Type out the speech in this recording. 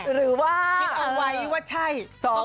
หรือว่าคิดเอาไว้ว่าใช่